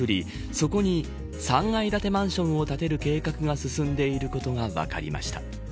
そこに３階建てマンションを建てる計画が進んでいることが分かりました。